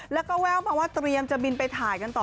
แล้วก็แววมาว่าเตรียมจะบินไปถ่ายกันต่อ